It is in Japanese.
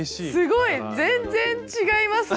すごい全然違いますね！